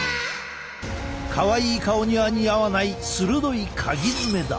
かわいい顔には似合わない鋭いかぎ爪だ！